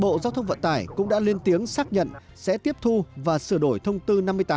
bộ giao thông vận tải cũng đã lên tiếng xác nhận sẽ tiếp thu và sửa đổi thông tư năm mươi tám